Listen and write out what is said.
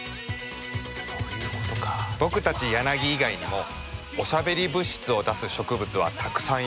僕たちヤナギ以外にもおしゃべり物質を出す植物はたくさんいます。